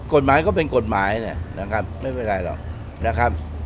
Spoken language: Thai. กฎหมายก็เป็นกฎหมายเนี่ยนะครับไม่เป็นไรหรอกนะครับ